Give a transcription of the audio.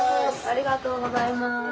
ありがとうございます。